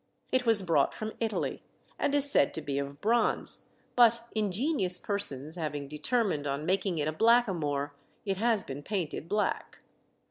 It was brought from Italy, and is said to be of bronze, but ingenious persons having determined on making it a blackamoor, it has been painted black.